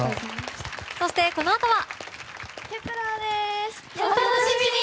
そしてこのあとは。